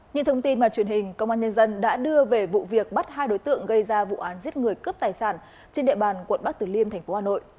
những thông tin mà truyền hình công an nhân dân đã đưa về vụ việc bắt hai đối tượng gây ra vụ án giết người cướp tài sản trên địa bàn quận bắc tử liêm tp hà nội